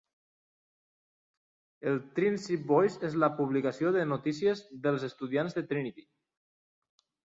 El Trinity Voice és la publicació de notícies dels estudiants de Trinity.